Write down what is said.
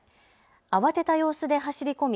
慌てた様子で走り込み